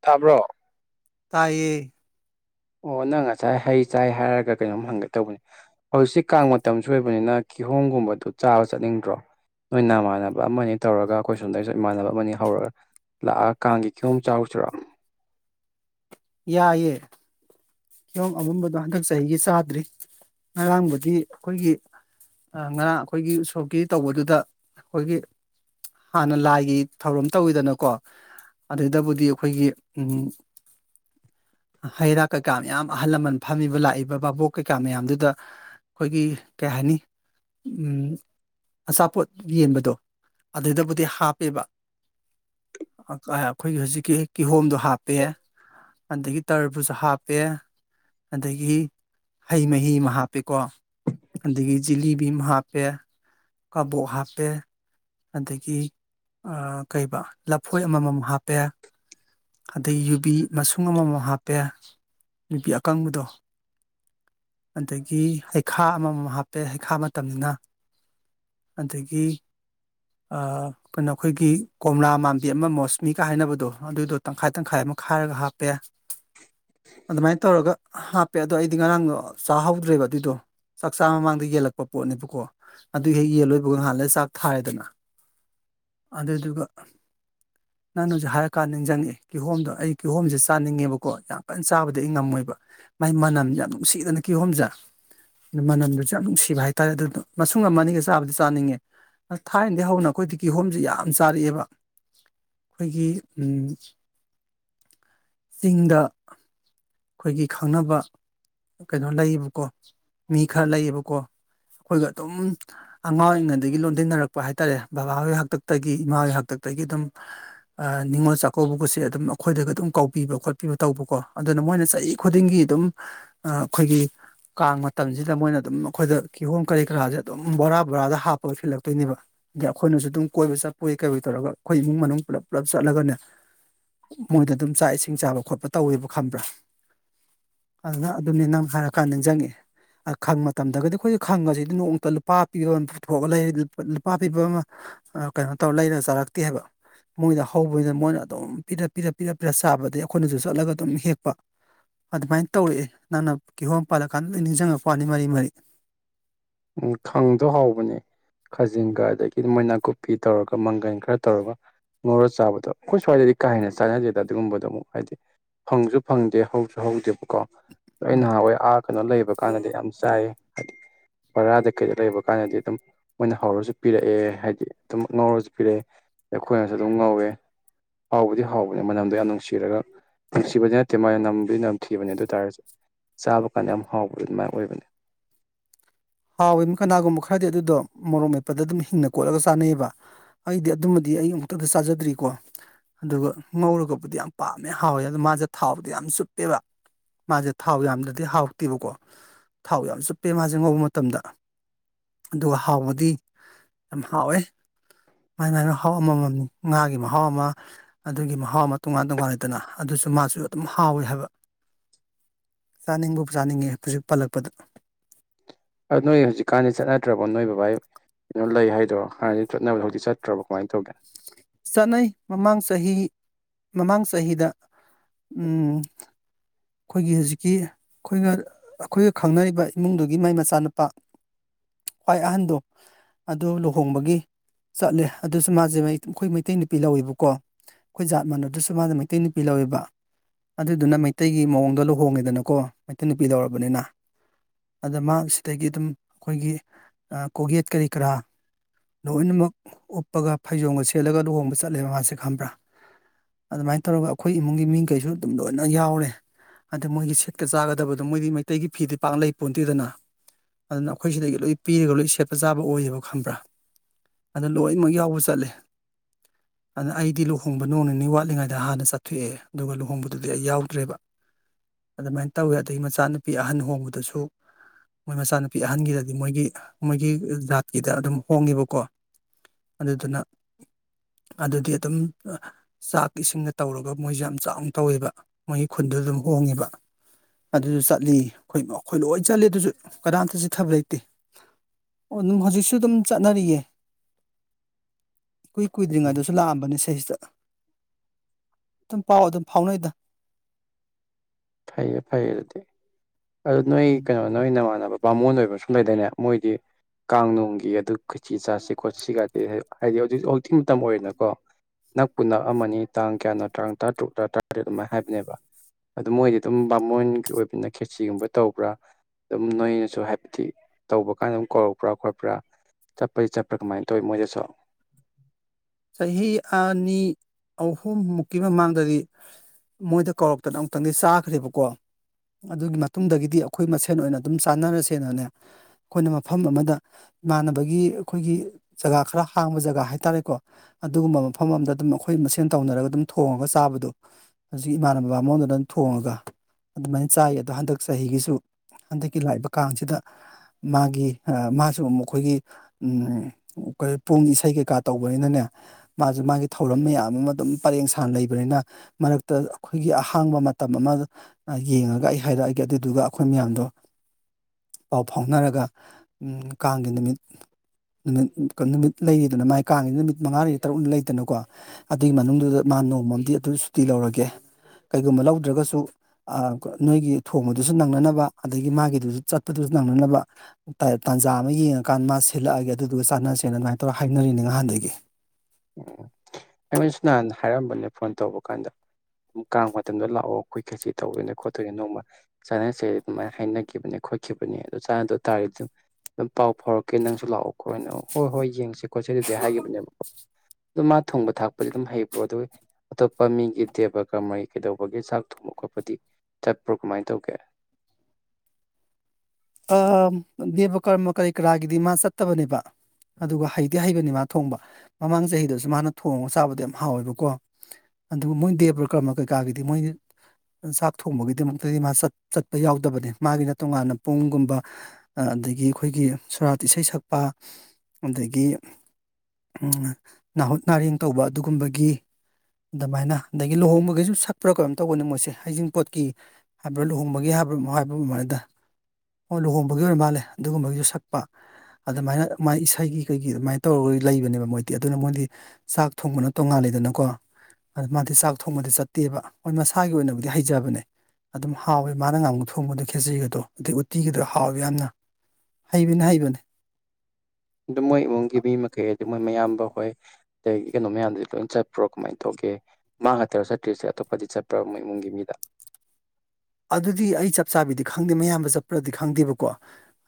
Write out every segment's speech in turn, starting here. ꯇꯥꯕ꯭ꯔꯣ ꯇꯥꯏꯌꯦ ꯑꯣ ꯅꯪ ꯉꯁꯥꯏ ꯍꯩ ꯆꯥꯏ ꯍꯥꯏꯔꯒ ꯀꯩꯅꯣꯝ ꯍꯪꯒꯦ ꯇꯧꯕꯅꯤ ꯍꯧꯖꯤꯛꯁꯤ ꯀꯥꯡ ꯃꯇꯝꯁꯨ ꯑꯣꯏꯕꯅꯤꯅ ꯀꯤꯍꯣꯝꯒꯨꯝꯕꯗꯨ ꯆꯥꯕ ꯆꯠꯅꯤꯡꯗ꯭ꯔꯣ ꯅꯣꯏ ꯅꯃꯥꯟꯅꯕ ꯑꯃꯅꯤ ꯇꯧꯔꯒ ꯑꯩꯈꯣꯏ ꯁꯣꯝꯗꯩꯁꯨ ꯏꯃꯥꯟꯅꯕ ꯑꯃꯅꯤ ꯍꯧꯔꯒ ꯂꯥꯛꯑ ꯀꯥꯡꯒꯤ ꯀꯤꯍꯣꯝ ꯆꯥꯎꯁꯤꯔꯣ ꯌꯥꯏꯌꯦ ꯀꯤꯍꯣꯝ ꯑꯃꯨꯟꯕꯗꯣ ꯍꯟꯗꯛ ꯆꯍꯤꯒꯤ ꯆꯥꯗ꯭ꯔꯤ ꯉꯔꯥꯡꯕꯨꯗꯤ ꯑꯩꯈꯣꯏꯒꯤ ꯑ ꯉꯔꯥꯡ ꯑꯩꯈꯣꯏꯒꯤ ꯎꯁꯣꯞꯀꯤ ꯇꯧꯕꯗꯨꯗ ꯑꯩꯈꯣꯏꯒꯤ ꯍꯥꯟꯅ ꯂꯥꯏꯒꯤ ꯊꯧꯔꯝ ꯇꯧꯋꯤꯗꯅꯀꯣ ꯑꯗꯨꯗꯕꯨꯗꯤ ꯑꯩꯈꯣꯏꯒꯤ ꯎꯝ ꯍꯩꯔꯥ ꯀꯩ ꯀꯥ ꯃꯌꯥꯝ ꯑꯍꯜ ꯂꯃꯟ ꯐꯝꯃꯤꯕ ꯂꯥꯛꯏꯕ ꯕꯥꯥꯕꯣꯛ ꯀꯩꯀꯥ ꯃꯌꯥꯝꯗꯨꯗ ꯑꯩꯈꯣꯏꯒꯤ ꯀꯩ ꯍꯥꯏꯅꯤ ꯎꯝ ꯑꯆꯥꯄꯣꯠ ꯌꯦꯟꯕꯗꯣ ꯑꯗꯨꯗꯕꯨꯗꯤ ꯍꯥꯞꯄꯦꯕ ꯑꯀꯣꯏ ꯑꯩꯈꯣꯏꯒꯤ ꯍꯧꯖꯤꯛꯀꯤ ꯀꯤꯍꯣꯝꯗꯣ ꯍꯥꯞꯄꯦ ꯑꯗꯒꯤ ꯇꯔꯕꯨꯁ ꯍꯥꯞ ꯄꯦ ꯑꯗꯒꯤ ꯍꯩ ꯃꯍꯤ ꯑꯃ ꯍꯥꯞꯄꯦꯀꯣ ꯑꯗꯒꯤ ꯖꯤꯂꯤꯕꯤ ꯑꯝ ꯍꯥꯞꯄꯦ ꯀꯕꯣꯛ ꯍꯥꯞꯄꯦ ꯑꯗꯒꯤ ꯑ ꯀꯩꯕ ꯂꯐꯣꯏ ꯑꯃꯃꯝ ꯍꯥꯞꯄꯦ ꯑꯗꯩ ꯌꯨꯕꯤ ꯃꯁꯨꯡ ꯑꯃꯃꯝ ꯍꯥꯞꯄꯦ ꯌꯨꯕꯤ ꯑꯀꯪꯕꯗꯣ [inaudible] ꯑꯗꯒꯤ ꯍꯩꯈꯥ ꯑꯃꯃꯝ ꯍꯥꯞꯄꯦ ꯍꯩꯈꯥ ꯃꯇꯝꯅꯤꯅ ꯑꯗꯒꯤ ꯑ ꯀꯩꯅꯣ ꯑꯩꯈꯣꯏꯒꯤ ꯀꯣꯝꯂꯥ ꯃꯥꯟꯕꯤ ꯑꯃ ꯃꯣꯁꯃꯤꯒ ꯍꯥꯏꯅꯕꯗꯣ ꯑꯗꯨꯗꯣ ꯇꯪꯈꯥꯏ ꯇꯪꯈꯥꯏ ꯑꯃ ꯈꯥꯏꯔꯒ ꯍꯥꯞꯄꯦ ꯑꯗꯨꯃꯥꯏꯟ ꯇꯧꯔꯒ ꯍꯥꯞꯄꯦ ꯑꯗꯣ ꯑꯩꯗꯤ ꯉꯔꯥꯡꯗꯣ ꯆꯥꯍꯧꯗ꯭ꯔꯦꯕ ꯑꯗꯨꯗꯣ ꯆꯥꯛꯆꯥ ꯃꯃꯥꯡꯗ ꯌꯦꯜꯂꯛꯄ ꯄꯣꯠꯅꯦꯕꯀꯣ ꯑꯗꯨꯏ ꯍꯦꯛ ꯌꯦꯜ ꯂꯣꯏꯕꯒ ꯉꯥꯍꯥꯛ ꯂꯩꯔ ꯆꯥꯛ ꯊꯥꯔꯦꯗꯅ ꯑꯗꯨꯗꯨꯒ ꯅꯪꯅ ꯍꯧꯖꯤꯛ ꯍꯥꯏꯔꯀꯥꯟ ꯅꯤꯡꯖꯡꯉꯛꯏ ꯀꯤꯍꯣꯝꯗꯣ ꯑꯩ ꯀꯤꯍꯣꯝꯖꯦ ꯆꯥꯅꯤꯡꯉꯦꯕꯀꯣ ꯌꯥꯝ ꯀꯟ ꯆꯥꯕꯗꯤ ꯑꯩ ꯉꯝꯃꯣꯏꯕ ꯃꯥꯏ ꯃꯅꯝ ꯌꯥꯝ ꯅꯨꯡꯁꯤꯗꯅ ꯀꯤꯍꯣꯝꯖꯦ ꯃꯅꯝꯗꯨꯁꯨ ꯌꯥꯝ ꯅꯨꯡꯁꯤꯕ ꯍꯥꯏꯇꯥꯔꯦ ꯑꯗꯨꯗ ꯃꯁꯨꯡ ꯑꯃ ꯑꯅꯤꯒ ꯆꯥꯕꯗꯤ ꯆꯥꯅꯤꯡꯉꯦ ꯊꯥꯏꯅꯗꯩ ꯍꯧꯅ ꯑꯩꯈꯣꯏꯗꯤ ꯀꯤꯍꯣꯝꯁꯦ ꯌꯥꯝ ꯆꯥꯔꯛꯑꯦꯕ ꯑꯩꯈꯣꯏꯒꯤ ꯎꯝ ꯆꯤꯡꯗ ꯑꯩꯈꯣꯏꯒꯤ ꯈꯪꯅꯕ ꯀꯩꯅꯣ ꯂꯩꯌꯦꯕꯀꯣ ꯃꯤ ꯈꯔ ꯂꯩꯌꯦꯕꯀꯣ ꯑꯈꯣꯏꯒ ꯑꯗꯨꯝ ꯑꯉꯥꯡ ꯑꯣꯏꯔꯤꯉꯩꯗꯒꯤ ꯂꯣꯟꯗꯤꯟꯅꯔꯛꯄ ꯍꯥꯏꯇꯥꯔꯦ ꯕꯕꯥ ꯍꯣꯏ ꯍꯥꯛꯇꯛꯇꯒꯤ ꯏꯃꯥ ꯍꯣꯏ ꯍꯥꯛꯇꯛꯇꯒꯤ ꯑꯗꯨꯝ ꯑ ꯅꯤꯡꯉꯣꯜ ꯆꯥꯛꯀꯧꯕꯒꯁꯦ ꯑꯗꯨꯝ ꯑꯩꯈꯣꯏꯗꯒ ꯑꯗꯨꯝ ꯀꯥꯎꯕꯤꯕ ꯈꯣꯠꯄꯤꯕ ꯇꯧꯕꯀꯣ ꯗꯨꯅ ꯃꯣꯏꯅ ꯆꯍꯤ ꯈꯨꯗꯤꯡꯒꯤ ꯑꯗꯨꯝ ꯑ ꯑꯩꯈꯣꯏꯒꯤ ꯀꯥꯡ ꯃꯇꯝꯁꯤꯗ ꯃꯣꯏꯅ ꯑꯗꯨꯝ ꯑꯩꯈꯣꯏꯗ ꯀꯤꯍꯣꯝ ꯀꯔꯤ ꯀꯔꯥꯖꯦ ꯑꯗꯨꯝ ꯕꯣꯔꯥ ꯕꯣꯔꯥꯗ ꯍꯥꯞꯄꯒ ꯊꯤꯜꯂꯛꯇꯣꯏꯅꯦꯕ ꯒꯤ ꯑꯩꯈꯣꯏꯅꯁꯨ ꯑꯗꯨꯝ ꯀꯣꯏꯕ ꯆꯠꯄꯣꯏ ꯀꯩꯕꯣꯏ ꯇꯧꯔꯒ ꯑꯩꯈꯣꯏ ꯏꯃꯨꯡ ꯃꯅꯨꯡ ꯄꯨꯂꯞ ꯄꯨꯂꯞ ꯆꯠꯂꯒꯅꯦ ꯃꯣꯏꯗ ꯑꯗꯨꯝ ꯆꯥꯛ ꯏꯁꯤꯡ ꯆꯥꯕ ꯈꯣꯠꯄ ꯇꯧꯋꯦꯕ ꯈꯪꯕ꯭ꯔꯥ ꯑꯗꯨꯅ ꯑꯗꯨꯅꯤ ꯅꯪ ꯍꯥꯏꯔ ꯀꯥꯟ ꯅꯤꯡꯖꯪꯉꯦ ꯑ ꯈꯪ ꯃꯇꯝꯗꯒꯗꯤ ꯑꯩꯈꯣꯏꯖꯦ ꯈꯪ ꯒꯁꯤꯗꯤ ꯅꯣꯡꯃꯇ ꯂꯨꯄꯥ ꯄꯤꯕ ꯑꯃ ꯄꯨꯊꯣꯛꯑꯒ ꯂꯩ ꯂꯨꯄꯥ ꯄꯤꯕ ꯑꯃ ꯑ ꯀꯩꯅꯣ ꯇꯧꯔ ꯂꯩꯔ ꯆꯥꯔꯛꯇꯦ ꯍꯥꯏꯕ ꯃꯣꯏꯗ ꯍꯧꯕꯅꯤꯅ ꯃꯣꯏꯅ ꯑꯗꯨꯝ ꯄꯤꯔ ꯄꯤꯔ ꯄꯤꯔꯛ ꯄꯤꯔꯛ ꯆꯥꯕꯗꯩ ꯑꯩꯈꯣꯏꯅꯁꯨ ꯆꯠꯂꯒ ꯑꯗꯨꯝ ꯍꯦꯛꯄ ꯑꯗꯨꯃꯥꯏꯅ ꯇꯧꯔꯛꯑꯦ ꯅꯪꯅ ꯀꯤꯍꯣꯝ ꯄꯜꯂꯀꯥꯟꯗ ꯅꯤꯡꯁꯤꯡꯉꯛꯄꯋꯥꯅꯦ ꯃꯔꯤ ꯃꯔꯤ ꯎꯝ ꯈꯪꯗꯣ ꯍꯥꯎꯕꯅꯦ ꯈꯥꯖꯤꯡꯒ ꯑꯗꯒꯤ ꯃꯣꯏ ꯅꯥꯀꯨꯞꯄꯤ ꯇꯧꯔꯒ ꯃꯪꯒꯟ ꯈꯔ ꯇꯧꯔꯒ ꯉꯧꯔꯒꯥ ꯆꯥꯕꯗꯣ ꯑꯩꯈꯣꯏ ꯁ꯭ꯋꯥꯏꯗꯗꯤ ꯀꯥ ꯍꯦꯟꯅ ꯆꯥꯟꯅꯗꯦꯗ ꯑꯗꯨꯒꯨꯝꯕꯗꯣ ꯑꯃꯨꯛ ꯍꯥꯏꯗꯤ ꯐꯪꯁꯨ ꯐꯪꯗꯦ ꯍꯧꯁꯨ ꯍꯧꯗꯦꯕꯀꯣ ꯑꯩ ꯎꯝ ꯅꯍꯥꯟꯋꯥꯏ ꯑꯥ ꯀꯩꯅꯣꯗ ꯂꯩꯕ ꯀꯥꯟꯗꯗꯤ ꯌꯥꯝ ꯆꯥꯏꯌꯦ ꯕꯔꯥꯗ ꯀꯩꯗ ꯂꯩꯕ ꯀꯥꯟꯗꯗꯤ ꯑꯗꯨꯝ ꯃꯣꯏꯅ ꯍꯧꯔꯁꯨ ꯄꯤꯔꯛꯑꯦ ꯍꯥꯏꯗꯤ ꯑꯗꯨꯝ ꯉꯧꯔꯒꯁꯨ ꯄꯤꯔꯛꯑꯦ ꯑꯩꯈꯣꯏꯅꯁꯨ ꯑꯗꯨꯝ ꯉꯧꯋꯦ ꯍꯥꯎꯕꯗꯤ ꯍꯥꯎꯕꯅꯦ ꯃꯅꯝꯗꯣ ꯌꯥꯝ ꯅꯨꯡꯁꯤꯔꯒ ꯅꯨꯡꯁꯤꯕꯗꯤ ꯅꯠꯇꯦ ꯃꯥꯅꯝ ꯅꯝꯗꯤ ꯅꯝꯊꯤꯕꯅꯦ ꯑꯗꯨ ꯇꯥꯔꯒꯁꯨ ꯆꯥꯕ ꯀꯥꯟꯗ ꯌꯥꯝ ꯍꯥꯎꯕꯗꯣ ꯑꯗꯨꯃꯥꯏꯅ ꯑꯣꯏꯕꯅꯦ ꯍꯥꯎꯋꯤꯉꯣ ꯀꯅꯥꯒꯨꯝꯕ ꯈꯔꯗꯤ ꯑꯗꯨꯗꯣ ꯃꯣꯔꯣꯛ ꯃꯦꯄꯗ ꯑꯗꯨꯝ ꯍꯤꯡꯅ ꯀꯣꯠꯂꯒ ꯆꯥꯅꯩꯑꯦꯕ ꯑꯩꯗꯤ ꯑꯗꯨꯃꯗꯤ ꯑꯩ ꯑꯃꯨꯛꯇꯗ ꯆꯥꯖꯗ꯭ꯔꯤꯀꯣ ꯑꯗꯨꯒ ꯉꯧꯔꯒ ꯕꯨꯗꯤ ꯌꯥꯝ ꯄꯥꯝꯃꯦ ꯍꯥꯎꯋꯦ ꯑꯗ ꯃꯥꯁꯦ ꯊꯥꯎꯕꯨꯗꯤ ꯌꯥꯝ ꯆꯨꯞꯄꯦꯕ ꯃꯥꯁꯦ ꯊꯥꯎ ꯌꯥꯝꯗ꯭ꯔꯗꯤ ꯍꯥꯎꯇꯦꯕꯀꯣ ꯊꯥꯎ ꯌꯥꯝ ꯆꯨꯞꯄꯦ ꯃꯥꯁꯦ ꯉꯧꯕ ꯃꯇꯝꯗ ꯑꯗꯨꯒ ꯍꯥꯎꯕꯗꯤ ꯌꯥꯝ ꯍꯥꯎꯋꯦ ꯃꯥꯏ ꯃꯥꯏ ꯃꯍꯥꯎ ꯑꯃꯃꯝꯅꯤ ꯉꯥꯒꯤ ꯃꯍꯥꯎ ꯑꯃꯥ ꯑꯗꯨꯒꯤ ꯃꯍꯥꯎ ꯑꯃꯥ ꯇꯣꯉꯥꯟ ꯇꯣꯉꯥꯟ ꯂꯤꯗꯅ ꯑꯗꯨꯁꯨ ꯃꯥꯁꯨ ꯑꯗꯨꯝ ꯍꯥꯎꯋꯤ ꯍꯥꯏꯕ ꯆꯥꯅꯤꯡꯕꯕꯨ ꯆꯥꯅꯤꯡꯉꯦ ꯍꯨꯖꯤꯛ ꯄꯜꯂꯛꯄꯗ ꯅꯣꯏ ꯍꯧꯖꯤꯛꯀꯥꯟꯗꯤ ꯆꯠꯅꯗ꯭ꯔꯕꯣ ꯅꯣꯏ ꯕꯕꯥꯥꯏ ꯀꯩꯅꯣ ꯂꯩ ꯍꯥꯏꯗꯣ ꯍꯥꯟꯗꯤ ꯆꯠꯅꯕꯗꯣ ꯍꯧꯖꯤꯛ ꯆꯠꯇ꯭ꯔꯕꯣ ꯀꯃꯥꯏꯅ ꯇꯧꯒꯦ ꯆꯠꯅꯩ ꯃꯃꯥꯡ ꯆꯍꯤ ꯃꯃꯥꯡ ꯆꯍꯤꯗ ꯎꯝ ꯈꯣꯏꯒꯤ ꯍꯨꯖꯤꯛꯀꯤ ꯑꯩꯈꯣꯏꯒ ꯑꯩꯈꯣꯏꯒ ꯈꯪꯅꯔꯤꯕ ꯏꯃꯨꯡꯗꯨꯒꯤ ꯃꯥꯏ ꯃꯆꯥꯅꯨꯄꯥ ꯈ꯭ꯋꯥꯏ ꯑꯍꯟꯗꯣ ꯑꯗꯨ ꯂꯨꯍꯣꯡꯕꯒꯤ ꯆꯠꯂꯦ ꯑꯗꯨꯁꯨ ꯃꯥꯁꯦ ꯃꯩ ꯑꯩꯈꯣꯏ ꯃꯩꯇꯩ ꯅꯨꯄꯤ ꯂꯧꯋꯦꯕꯀꯣ ꯑꯩꯈꯣꯏ ꯖꯥꯠ ꯃꯥꯟꯅꯗꯔꯥꯁꯨ ꯃꯥꯅ ꯃꯩꯇꯩ ꯅꯨꯄꯤ ꯂꯧꯋꯦꯕꯥ ꯑꯗꯨꯗꯨꯅ ꯃꯩꯇꯩꯒꯤ ꯃꯑꯣꯡꯗꯣ ꯂꯨꯍꯣꯡꯉꯦꯗꯅꯀꯣ ꯃꯩꯇꯩ ꯅꯨꯄꯤ ꯂꯧꯔꯕꯅꯤꯅ ꯑꯗ ꯃꯥ ꯁꯤꯗꯒꯤ ꯑꯗꯨꯝ ꯑꯩꯈꯣꯏꯒꯤ ꯀꯣꯛꯌꯦꯠ ꯀꯔꯤ ꯀꯔꯥ ꯂꯣꯏꯅꯃꯛ ꯎꯞꯄꯒ ꯐꯩꯖꯣꯝꯒ ꯁꯦꯠꯂꯒ ꯂꯨꯍꯣꯡꯕ ꯆꯠꯂꯦꯕ ꯃꯥꯁꯦ ꯈꯪꯕ꯭ꯔꯥ ꯑꯗꯨꯃꯥꯏꯅ ꯇꯧꯔꯒ ꯑꯩꯈꯣꯏ ꯏꯃꯨꯡꯒꯤ ꯃꯤꯡꯈꯩꯁꯨ ꯑꯗꯨꯝ ꯂꯣꯏꯅ ꯌꯥꯎꯔꯦ ꯑꯗ ꯃꯣꯏꯒꯤ ꯁꯦꯠꯀ ꯆꯥꯒꯗꯕꯗꯣ ꯃꯣꯏꯗꯤ ꯃꯩꯇꯩꯒꯤ ꯐꯤꯗꯤ ꯄꯥꯛꯅ ꯂꯩꯄꯣꯟꯇꯦꯗꯅ ꯑꯗꯨꯅ ꯑꯩꯈꯣꯏ ꯁꯤꯗꯒꯤ ꯂꯣꯏꯅ ꯄꯤꯔꯒ ꯂꯣꯏ ꯁꯦꯠꯄ ꯆꯥꯕ ꯑꯣꯏꯌꯦꯕ ꯈꯪꯕ꯭ꯔꯥ ꯑꯗꯨꯟ ꯂꯣꯏꯅꯃꯛ ꯌꯥꯎꯕ ꯆꯠꯂꯦ ꯑꯗꯨꯅ ꯑꯩꯗꯤ ꯂꯨꯍꯣꯡꯕ ꯅꯣꯡ ꯅꯤꯅꯤ ꯋꯥꯠꯂꯤꯉꯩꯗ ꯍꯥꯟꯅ ꯆꯠꯊꯣꯛꯑꯦ ꯑꯗꯨꯒ ꯂꯨꯍꯣꯡꯕꯗꯨꯗꯤ ꯑꯩ ꯌꯥꯎꯗ꯭ꯔꯦꯕ ꯑꯗꯨꯃꯥꯏꯅ ꯇꯧꯋꯤ ꯑꯗꯒꯤ ꯃꯆꯥꯅꯨꯄꯤ ꯑꯍꯟ ꯍꯣꯡꯕꯗꯁꯨ ꯃꯣꯏ ꯃꯆꯥꯅꯨꯄꯤ ꯑꯍꯟꯒꯤꯗꯗꯤ ꯃꯣꯏꯒꯤ ꯃꯣꯏꯒꯤ ꯖꯥꯠꯀꯤꯗ ꯑꯗꯨꯝ ꯍꯣꯡꯉꯦꯕꯀꯣ ꯑꯗꯨꯗꯨꯅ ꯑꯗꯨꯗꯤ ꯑꯗꯨꯝ ꯆꯥꯛ ꯏꯁꯤꯡꯒ ꯇꯧꯔꯒ ꯃꯣꯏꯁꯨ ꯌꯥꯝ ꯆꯥꯎꯅ ꯇꯧꯋꯦꯕ ꯃꯣꯏꯒꯤ ꯈꯨꯟꯗꯨꯗ ꯑꯗꯨꯝ ꯍꯣꯡꯉꯦꯕ ꯑꯗꯨꯁꯨ ꯆꯠꯂꯤ ꯑꯩꯈꯣꯏ ꯑꯩꯈꯣꯏ ꯂꯣꯏ ꯆꯠꯂꯤ ꯑꯗꯨꯁꯨ ꯀꯅꯥꯝꯇ ꯆꯤꯠꯊꯕ ꯂꯩꯇꯦ ꯑꯗꯨꯝ ꯍꯧꯖꯤꯛꯁꯨ ꯑꯗꯨꯝ ꯆꯠꯅꯔꯤꯌꯦ ꯏꯀꯨꯏ ꯎꯝ ꯀꯨꯏꯗ꯭ꯔꯤꯉꯩꯗꯁꯨ ꯂꯥꯛꯑꯝꯕꯅꯤ ꯁꯤꯗꯩꯁꯤꯗ ꯑꯗꯨꯝ ꯄꯥꯎ ꯑꯗꯨꯝ ꯐꯥꯎꯅꯩꯗ ꯐꯩꯌꯦ ꯐꯩꯌꯦ‌ ꯑꯗꯨꯗꯤ ꯑꯗꯨ ꯅꯣꯏ ꯎꯝ ꯀꯩꯅꯣ ꯅꯣꯏ ꯅꯃꯥꯟꯅꯕ ꯕꯥꯃꯣꯟ ꯑꯣꯏꯕꯁꯨ ꯂꯩꯗꯥꯏꯅꯦ ꯃꯣꯏꯗꯤ ꯀꯥꯡꯅꯨꯡꯒꯤ ꯑꯗꯨ ꯈꯦꯆꯤ ꯆꯥꯁꯤ ꯈꯣꯠꯁꯤꯒꯗꯤ ꯍꯥꯏꯗꯤ ꯍꯧꯖꯤꯛꯇꯤ ꯃꯇꯝ ꯑꯣꯏꯔꯦꯅꯀꯣ ꯅꯛꯄꯨ ꯅꯛ ꯑꯝꯃꯅꯤ ꯇꯥꯡ ꯀꯌꯥꯅ ꯇꯥꯡ ꯇꯔꯥꯇꯔꯨꯛꯔꯥ ꯇꯔꯥꯇꯔꯦꯠꯂꯥ ꯑꯗꯨꯃꯥꯏꯅ ꯍꯥꯏꯕꯅꯦꯕ ꯑꯗꯨ ꯃꯣꯏꯗꯤ ꯑꯗꯨꯝ ꯕꯥꯃꯣꯟꯒꯤ ꯑꯣꯏꯕ ꯅꯦ ꯈꯦꯠꯆꯤꯒꯨꯝꯕ ꯇꯧꯕ꯭ꯔꯥ ꯑꯗꯨꯝ ꯅꯣꯏꯅꯁꯨ ꯍꯥꯏꯕꯗꯤ ꯇꯧꯕ ꯀꯥꯟꯗ ꯑꯗꯨꯝ ꯀꯧꯔꯛꯄ꯭ꯔꯥ ꯈꯣꯠꯄ꯭ꯔꯥ ꯆꯠꯄꯗꯤ ꯆꯠꯄ꯭ꯔꯥ ꯀꯃꯥꯏ ꯇꯧꯋꯤ ꯃꯣꯏꯗꯁꯨ ꯆꯍꯤ ꯑꯅꯤ ꯑꯍꯨꯝꯃꯨꯛꯀꯤ ꯃꯃꯥꯡꯗꯗꯤ ꯃꯣꯏꯗ ꯀꯧꯔꯛꯇꯅ ꯑꯃꯨꯛꯇꯪꯗꯤ ꯆꯥꯈ꯭ꯔꯦꯕꯀꯣ ꯑꯗꯨꯒꯤ ꯃꯇꯨꯡꯗꯒꯤꯗꯤ ꯑꯈꯣꯏ ꯃꯁꯦꯟ ꯑꯣꯏꯅ ꯑꯗꯨꯝ ꯆꯥꯟꯅꯔꯁꯦꯅꯅꯦ ꯑꯈꯣꯏꯅ ꯃꯐꯝ ꯑꯃꯗ ꯏꯃꯅꯕꯒꯤ ꯑꯈꯣꯏꯒꯤ ꯖꯒꯥ ꯈꯔ ꯍꯥꯡꯕ ꯖꯒꯥ ꯍꯥꯏꯇꯥꯔꯦꯀꯣ ꯑꯗꯨꯒꯨꯝꯕ ꯃꯐꯝ ꯑꯗ ꯑꯗꯨꯝ ꯑꯈꯣꯏ ꯃꯁꯦꯟ ꯇꯧꯅꯔꯒ ꯑꯗꯨꯝ ꯊꯣꯡꯉꯒ ꯆꯥꯕꯗꯣ ꯍꯧꯖꯤꯛ ꯏꯃꯥꯟꯅꯕ ꯕꯃꯣꯟꯗꯨꯅ ꯊꯣꯡꯉꯒ ꯑꯗꯨꯃꯥꯏꯅ ꯆꯥꯏ ꯑꯗꯣ ꯍꯟꯗꯛ ꯆꯍꯤꯒꯤꯁꯨ ꯍꯟꯗꯛꯀꯤ ꯂꯥꯛꯏꯕ ꯀꯥꯡꯁꯤꯗ ꯃꯥꯒꯤ ꯑ ꯃꯥꯁꯨ ꯑꯃꯨꯛ ꯑꯈꯣꯏꯒꯤ ꯎ ꯑꯈꯣꯏ ꯄꯨꯡ ꯏꯁꯩ ꯀꯩꯀꯥ ꯇꯧꯕ ꯕꯅꯤꯅꯅꯦ ꯃꯥꯁꯨ ꯃꯥꯒꯤ ꯊꯧꯔꯝ ꯃꯌꯥꯝ ꯑꯃ ꯑꯗꯨꯝ ꯄꯔꯦꯡ ꯁꯥꯟꯅ ꯂꯩꯕꯅꯤꯅ ꯃꯔꯛꯇ ꯑꯈꯣꯏꯒꯤ ꯑꯍꯥꯡꯕ ꯃꯇꯝ ꯑꯃ ꯑ ꯌꯦꯡꯉꯒ ꯑꯩ ꯍꯥꯏꯔꯛꯑꯒꯦ ꯑꯗꯨꯗꯨꯒ ꯑꯈꯣꯏ ꯃꯌꯥꯝꯗꯣ ꯄꯥꯎ ꯐꯥꯎꯅꯔꯒ ꯎꯝ ꯀꯥꯡꯒꯤ ꯅꯨꯃꯤꯠ [unintelligible] ꯅꯨꯃꯤꯠ ꯂꯩꯔꯤꯗꯅ ꯃꯥꯏ ꯀꯥꯡꯉꯤ ꯅꯨꯃꯤꯠ ꯃꯉꯥꯅꯤ ꯇꯔꯨꯛꯅꯤ ꯂꯩꯇꯅꯀꯣ ꯑꯗꯨꯒꯤ ꯃꯅꯨꯡꯗꯨꯗ ꯃꯥ ꯅꯣꯡꯃꯝꯗꯤ ꯑꯗꯨ ꯁꯨꯇꯤ ꯂꯧꯔꯒꯦ ꯀꯩꯒꯨꯝꯕ ꯂꯧꯗ꯭ꯔꯒꯁꯨ ꯑ ꯅꯣꯏꯒꯤ ꯊꯣꯡꯕꯗꯨꯁꯨ ꯅꯪꯅꯅꯕ ꯑꯗꯒꯤ ꯃꯥꯒꯤꯗꯨꯁꯨ ꯆꯠꯄꯗꯨꯁꯨ ꯅꯪꯅꯅꯕ ꯇ ꯇꯥꯟꯖꯥ ꯑꯃ ꯌꯦꯡꯉꯀꯥꯟ ꯃꯥ ꯁꯤꯜꯂꯛꯑꯒꯦ ꯑꯗꯨꯗꯨꯒ ꯆꯥꯟꯅꯁꯦꯅ ꯑꯗꯨꯃꯥꯏꯅ ꯇꯧꯔꯒ ꯍꯥꯏꯅꯔꯤꯅꯦ ꯉꯍꯥꯟꯗꯒꯤ ꯎꯝ ꯑꯩꯉꯣꯟꯗꯁꯨ ꯅꯍꯥꯟ ꯍꯥꯏꯔꯝꯕꯅꯦ ꯐꯣꯟ ꯇꯧꯕ ꯀꯥꯟꯗ ꯑꯗꯨꯝ ꯀꯥꯡ ꯃꯇꯝꯗ ꯂꯥꯛꯑꯣ ꯑꯈꯣꯏ ꯈꯦꯖꯤ ꯇꯧꯗꯣꯏꯅꯦ ꯈꯣꯠꯇꯣꯏꯅꯦ ꯅꯣꯡꯃ ꯆꯥꯅꯁꯦ ꯑꯗꯨꯃꯥꯏꯅ ꯍꯥꯏꯅꯈꯤꯕꯅꯦ ꯈꯣꯠꯈꯤꯕꯅꯦ ꯑꯗꯨ ꯆꯥꯅꯗꯧ ꯇꯥꯔꯗꯤ ꯑꯗꯨꯝ ꯑꯗꯨꯝ ꯄꯥꯎ ꯐꯥꯎꯔꯛꯀꯦ ꯅꯪꯁꯨ ꯂꯥꯛꯑꯣ ꯈꯣꯔꯅ ꯍꯣꯏ ꯍꯣꯏ ꯌꯦꯡꯁꯦ ꯈꯣꯠꯆꯦ ꯑꯗꯨꯗꯤ ꯍꯥꯏꯈꯤꯕꯅꯦꯕ ꯑꯗꯨ ꯃꯥ ꯊꯣꯡꯕ ꯊꯥꯛꯄꯗꯤ ꯑꯗꯨꯝ ꯍꯩꯕ꯭ꯔꯣ ꯑꯗꯨꯒ ꯑꯇꯣꯞꯄ ꯃꯤꯒꯤ ꯗꯦꯕ ꯀꯃꯩ ꯀꯩꯗꯧꯕꯒꯤ ꯆꯥꯛ ꯊꯣꯡꯕ ꯈꯣꯠꯄꯗꯤ ꯆꯠꯄ꯭ꯔꯣ ꯀꯃꯥꯏꯟ ꯇꯧꯒꯦ ꯑ ꯗꯦꯕ ꯀꯔꯃ ꯀꯔꯤ ꯀꯔꯥꯒꯤꯗꯤ ꯃꯥ ꯆꯠꯇꯕꯅꯦꯕ ꯑꯗꯨꯒ ꯍꯩꯗꯤ ꯍꯩꯕꯅꯤ ꯃꯥ ꯊꯣꯡꯕ ꯃꯃꯥꯡ ꯆꯍꯤꯗꯁꯨ ꯃꯥꯅ ꯊꯣꯡꯒ ꯆꯥꯕꯗꯣ ꯌꯥꯝ ꯍꯥꯎꯋꯦꯕꯀꯣ ꯑꯗꯨ ꯃꯣꯏ ꯗꯦꯕꯔ ꯀꯔꯃ ꯀꯩꯀꯥꯒꯤꯗꯤ ꯃꯣꯏꯗꯤ ꯆꯥꯛ ꯊꯣꯡꯕꯒꯤꯗꯃꯛꯇꯗꯤ ꯃꯥ ꯆꯠ ꯆꯠꯄ ꯌꯥꯎꯗꯕꯅꯦ ꯃꯥꯒꯤꯅ ꯇꯣꯉꯥꯟꯅ ꯄꯨꯡꯒꯨꯝꯕ ꯑꯗꯒꯤ ꯑꯈꯣꯏꯒꯤ ꯁꯣꯔꯥꯠ ꯏꯁꯩ ꯁꯛꯄ ꯑꯗꯒꯤ ꯅꯥꯍꯨꯠ ꯅꯥꯔꯦꯡ ꯇꯧꯕ ꯑꯗꯨꯒꯨꯝꯕꯒꯤ ꯑꯗꯨꯃꯥꯏꯅ ꯑꯗꯒꯤ ꯂꯨꯍꯣꯡꯕꯈꯩꯁꯨ ꯁꯛꯄ꯭ꯔꯥ ꯀꯩꯑꯣꯝ ꯇꯧꯕꯅꯤ ꯃꯣꯏꯁꯦ ꯍꯩꯖꯤꯡ ꯄꯣꯠꯀꯤ ꯍꯥꯏꯕ꯭ꯔꯥ ꯂꯨꯍꯣꯡꯕꯒꯤ ꯍꯥꯏꯕꯔ [unintelligible] ꯍꯣꯏ ꯂꯨꯍꯣꯡꯕꯒꯤ ꯑꯣꯏꯔ ꯃꯥꯜꯂꯦ ꯑꯗꯨꯒꯨꯝꯕꯒꯤꯁꯨ ꯁꯛꯄ ꯑꯗꯨꯃꯥꯏꯅ ꯃꯥꯏ ꯏꯁꯩꯒꯤ ꯀꯩꯒꯤ ꯑꯗꯨꯃꯥꯏ ꯇꯧꯔꯒ ꯂꯩꯕꯅꯦꯕ ꯃꯣꯏꯗꯤ ꯑꯗꯨꯅ ꯃꯣꯏꯗꯤ ꯆꯥꯛ ꯊꯣꯡꯕꯅ ꯇꯣꯡꯉꯥꯂꯤꯗꯅꯀꯣ ꯑꯗꯨ ꯃꯥꯗꯤ ꯆꯥꯛ ꯊꯣꯡꯕꯗꯤ ꯆꯠꯇꯦꯕ ꯃꯣꯏ ꯃꯁꯥꯒꯤ ꯑꯣꯏꯅꯕꯨꯗꯤ ꯍꯩꯖꯕꯅꯦ ꯑꯗꯨꯝ ꯍꯥꯎꯋꯦ ꯃꯥꯅ ꯉꯥꯝꯃꯨꯛ ꯊꯣꯡꯕꯗꯣ ꯈꯦꯆ꯭ꯔꯤꯒꯗꯣ ꯑꯗꯩ ꯎꯠꯇꯤꯒꯤꯗꯣ ꯍꯥꯎꯋ ꯌꯥꯝꯅ ꯍꯩꯕꯅ ꯍꯩꯕꯅꯦ ꯑꯗꯨ ꯃꯣꯏ ꯏꯃꯨꯡꯒꯤ ꯃꯤ ꯃꯈꯩ ꯑꯗꯨ ꯃꯣꯏ ꯃꯌꯥꯝꯕ ꯍꯣꯏ ꯑꯗꯒꯤ ꯀꯩꯅꯣ ꯃꯌꯥꯝꯗꯨꯗꯤ ꯂꯣꯏ ꯆꯠꯄ꯭ꯔꯣ ꯀꯃꯥꯏꯟ ꯇꯧꯒꯦ ꯃꯥꯉꯥꯇꯔꯣ ꯆꯠꯇ꯭ꯔꯤꯁꯦ ꯑꯇꯣꯞꯄꯗꯤ ꯆꯠꯄ꯭ꯔꯕ ꯏꯃꯨꯡꯒꯤ ꯃꯤꯗ ꯑꯗꯨꯗꯤ ꯑꯩ ꯆꯞ ꯆꯥꯕꯤꯗꯤ ꯈꯪꯗꯦ ꯃꯌꯥꯝꯕ ꯆꯠꯄ꯭ꯔꯗꯤ ꯈꯪꯗꯦꯕꯀꯣ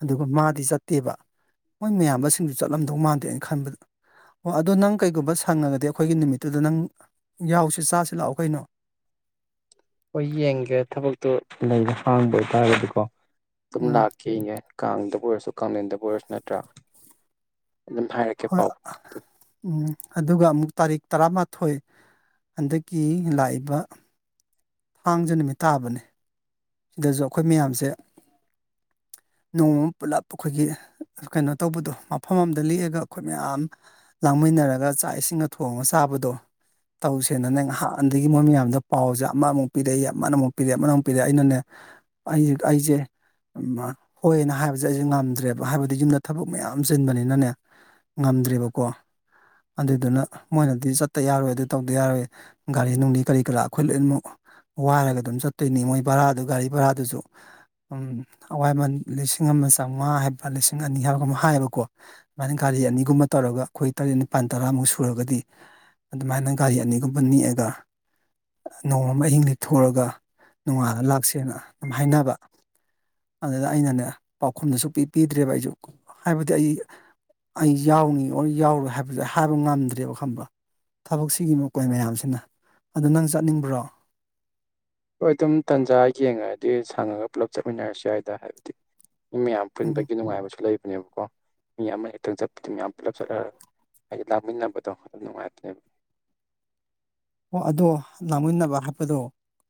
ꯑꯗꯨꯒ ꯃꯥꯗꯤ ꯆꯠꯇꯦꯕ ꯃꯣꯏ ꯃꯌꯥꯝꯕꯁꯤꯡꯁꯨ ꯆꯠꯂꯝꯗꯧ ꯃꯥꯟꯗꯦ ꯑꯩꯅ ꯈꯟꯕꯗ ꯑꯣ ꯑꯗꯣ ꯅꯪ ꯀꯩꯒꯨꯝꯕ ꯁꯪꯉꯒꯗꯤ ꯑꯈꯣꯏꯒꯤ ꯅꯨꯃꯤꯠꯇꯨꯗ ꯅꯪ ꯌꯥꯎꯁꯤ ꯆꯥꯁꯤ ꯂꯥꯛꯑꯣ ꯀꯩꯅꯣ ꯍꯣꯏ ꯌꯦꯡꯒꯦ ꯊꯕꯛꯇꯣ ꯂꯩꯕ ꯍꯥꯡꯕ ꯑꯣꯏꯇꯥꯔꯒꯗꯤꯀꯣ ꯑꯗꯨꯝ ꯎꯝ ꯂꯥꯛꯀꯦ ꯌꯦꯡꯉꯦ ꯀꯥꯡꯗꯕꯨ ꯑꯣꯏꯔꯁꯨ ꯀꯥꯡꯂꯦꯟꯗꯕꯨ ꯑꯣꯏꯔꯁꯨ ꯅꯠꯇ꯭ꯔꯥ ꯑꯗꯨꯝ [inaudible] [inaudible] ꯎꯝ ꯑꯗꯨꯒ ꯑꯃꯨꯛ ꯇꯥꯔꯤꯛ ꯇꯔꯥꯃꯥꯊꯣꯏ ꯍꯟꯗꯛꯀꯤ ꯂꯥꯛꯏꯕ ꯊꯥꯡꯖ ꯅꯨꯃꯤꯠ ꯇꯥꯕꯅꯦ ꯑꯗꯁꯨ ꯑꯩꯈꯣꯏ ꯃꯌꯥꯝꯁꯦ ꯅꯣꯡꯃ ꯑꯃ ꯄꯨꯜꯂꯞ ꯑꯩꯈꯣꯏꯒꯤ ꯀꯩꯅꯣ ꯇꯧꯕꯗꯣ ꯃꯐꯝ ꯑꯃꯗ ꯂꯦꯛꯑꯒ ꯑꯩꯈꯣꯏ ꯃꯌꯥꯝ ꯂꯥꯡꯃꯤꯟꯅꯔꯒ ꯆꯥꯛ ꯏꯁꯤꯡꯒ ꯊꯣꯡꯉ ꯆꯥꯕꯗꯣ ꯇꯧꯁꯦꯅꯅꯦ ꯅꯍꯥꯟꯗꯒꯤ ꯃꯣꯏ ꯃꯌꯥꯝꯗ ꯄꯥꯎꯁꯦ ꯑꯃꯃꯨꯛ ꯄꯤꯔꯛꯏ ꯑꯃꯅ ꯑꯃꯨꯛ ꯄꯤꯔꯛꯏ ꯑꯃꯅ ꯑꯃꯨꯛ ꯄꯤꯔꯛꯏ ꯑꯩꯅꯅꯦ ꯑꯩ ꯑꯩꯁꯦ ꯎ ꯍꯣꯏꯅ ꯍꯥꯏꯕꯁꯦ ꯑꯩꯁꯦ ꯉꯝꯗ꯭ꯔꯦꯕ ꯍꯥꯏꯕꯗꯤ ꯌꯨꯝꯗ ꯊꯕꯛ ꯃꯌꯥꯝ ꯆꯤꯟꯕꯅꯤꯅꯅꯦ ꯉꯝꯗ꯭ꯔꯦꯕꯀꯣ ꯑꯗꯨꯗꯨꯅ ꯃꯣꯏꯅꯗꯤ ꯆꯠꯇ ꯌꯥꯔꯣꯏ ꯑꯗꯨ ꯇꯧꯗ ꯌꯥꯔꯣꯏ ꯒꯥꯔꯤ ꯅꯨꯡꯂꯤ ꯀꯔꯤ ꯀꯔꯥ ꯑꯩꯈꯣꯏ ꯂꯣꯏꯅꯃꯛ ꯋꯥꯏꯔꯒ ꯑꯗꯨꯝ ꯆꯠꯇꯣꯏꯅꯤ ꯃꯣꯏ ꯚꯔꯥꯗꯨ ꯒꯥꯔꯤ ꯚꯔꯥꯗꯨꯁꯨ ꯎꯝ ꯑꯋꯥꯏꯃꯟ ꯂꯤꯁꯤꯡ ꯑꯃ ꯆꯧꯉꯥ ꯍꯥꯏꯕ ꯂꯤꯁꯤꯡ ꯑꯅꯤ ꯍꯥꯏꯕꯒ ꯑꯃ ꯍꯥꯏꯌꯦꯕꯀꯣ ꯑꯗꯨꯨꯃꯥꯏꯅ ꯒꯥꯔꯤ ꯑꯅꯤꯒꯨꯝꯕ ꯇꯧꯔꯒ ꯑꯩꯈꯣꯏ ꯇꯔꯦꯠ ꯅꯤꯄꯥꯜ ꯇꯔꯥꯃꯨꯛ ꯁꯨꯔꯒꯗꯤ ꯑꯗꯨꯃꯥꯏꯅ ꯒꯥꯔꯤ ꯑꯅꯤꯒꯨꯝꯕ ꯅꯦꯛꯑꯒ ꯅꯣꯡꯃ ꯑꯃ ꯑꯍꯤꯡ ꯂꯦꯛꯊꯣꯛꯑꯒ ꯅꯣꯡꯉꯥꯜꯂ ꯂꯥꯛꯁꯦꯅ ꯍꯥꯏꯅꯕ ꯑꯗꯨꯗ ꯑꯩꯅꯅꯦ ꯄꯥꯎꯈꯨꯝꯁꯨ ꯁꯨꯄꯤ ꯄꯤꯗ꯭ꯔꯦꯕ ꯑꯩꯁꯨ ꯍꯥꯏꯕꯗꯤ ꯑꯩ ꯑꯩ ꯌꯥꯎꯅꯤ ꯑꯣꯔ ꯌꯥꯎꯔꯣꯏ ꯍꯥꯏꯕꯁꯦ ꯍꯥꯏꯕ ꯉꯝꯗ꯭ꯔꯦꯕ ꯈꯪꯕ ꯊꯕꯛꯁꯤꯒꯤ ꯃꯀꯣꯏ ꯃꯌꯥꯝꯁꯤꯅ ꯑꯗꯣ ꯅꯪ ꯆꯠꯅꯤꯡꯕ꯭ꯔꯣ ꯍꯣꯏ ꯑꯗꯨꯝ ꯇꯥꯟꯖꯥ ꯌꯦꯡꯉꯗꯤ ꯁꯪꯉꯒ ꯄꯨꯂꯞ ꯆꯠꯃꯤꯟꯅꯔꯁꯨ ꯌꯥꯏꯗ ꯍꯥꯏꯕꯗꯤ ꯃꯤ ꯃꯌꯥꯝ ꯎꯝ ꯄꯨꯟꯕꯒꯤ ꯅꯨꯡꯉꯥꯏꯕꯁꯨ ꯂꯩꯕꯅꯦꯕꯀꯣ ꯃꯤ ꯑꯃ ꯍꯦꯛꯇꯪ ꯆꯠꯄꯗꯨ ꯃꯌꯥꯝ ꯄꯨꯂꯞ ꯆꯠꯂꯒ ꯑꯩ ꯂꯥꯡꯃꯤꯟꯅꯕꯗꯣ ꯑꯗꯨ ꯅꯨꯡꯉꯥꯏꯕꯅꯦꯕ ꯑꯣ ꯑꯗꯣ ꯂꯥꯡꯃꯤꯟꯅꯕ ꯍꯥꯞꯄꯗꯣ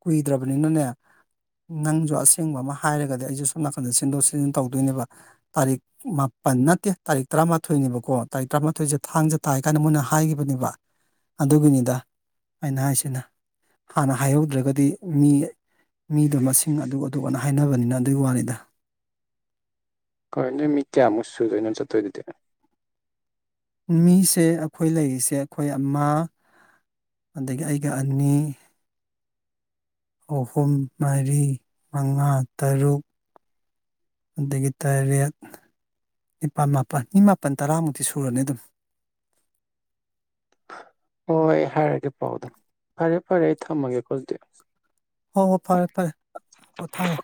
ꯀꯨꯏꯗ꯭ꯔꯕꯅꯤꯅꯅꯦ ꯅꯪꯁꯨ ꯑꯁꯦꯡꯕ ꯑꯃ ꯍꯥꯏꯔꯒꯗꯤ ꯑꯩꯁꯨ ꯁꯣꯝ ꯅꯥꯀꯟꯗ ꯁꯤꯟꯗꯣꯛ ꯁꯤꯟꯖꯤꯟ ꯇꯧꯗꯣꯏꯅꯦꯕ ꯇꯥꯔꯤꯛ ꯃꯥꯄꯟ ꯅꯠꯇꯦ ꯇꯥꯔꯤꯛ ꯇꯔꯥꯃꯥꯊꯣꯏꯅꯦꯕꯀꯣ ꯇꯥꯔꯤꯛ ꯇꯔꯥꯃꯥꯊꯣꯏꯁꯦ ꯊꯥꯡꯖ ꯇꯥꯏ ꯀꯥꯏꯅ ꯃꯣꯏꯅ ꯍꯥꯏꯈꯤꯕꯅꯦꯕ ꯑꯗꯨꯒꯤꯅꯤꯗ ꯑꯩꯅ ꯍꯥꯏꯁꯤꯅ ꯍꯥꯟꯅ ꯍꯥꯏꯍꯧꯗ꯭ꯔꯒꯗꯤ ꯃꯤ ꯃꯤꯗꯣ ꯃꯁꯤꯡ ꯑꯗꯨꯛ ꯑꯗꯨꯛꯅ ꯍꯥꯏꯅꯕꯅꯤꯅ ꯑꯗꯨꯒꯤ ꯋꯥꯅꯤꯗ ꯈꯣꯏ ꯅꯣꯏ ꯃꯤ ꯀꯌꯥꯃꯨꯛ ꯁꯨꯗꯣꯏꯅꯣ ꯆꯠꯇꯣꯏꯗꯨꯗꯤ ꯃꯤꯁꯦ ꯑꯩꯈꯣꯏ ꯂꯩꯔꯤꯁꯦ ꯑꯩꯈꯣꯏ ꯑꯃ ꯑꯗꯒꯤ ꯑꯩꯒ ꯑꯅꯤ ꯑꯍꯨꯝ ꯃꯔꯤ ꯃꯉꯥ ꯇꯔꯨꯛ ꯑꯗꯒꯤ ꯇꯔꯦꯠ ꯅꯤꯄꯥꯜ ꯃꯥꯄꯜ ꯃꯤ ꯃꯥꯄꯜ ꯇꯔꯥꯃꯨꯛꯇꯤ ꯁꯨꯔꯅꯤ ꯑꯗꯨꯝ ꯍꯣꯏ ꯍꯥꯏꯔꯛꯑꯒꯦ ꯄꯥꯎꯗꯣ ꯐꯔꯦ ꯐꯔꯦ ꯑꯩ ꯊꯝꯃꯒꯦꯀꯣ ꯑꯗꯨꯗꯤ ꯍꯣꯏ ꯍꯣꯏ ꯐꯔꯦ ꯐꯔꯦ ꯄꯣꯊꯥꯔꯣ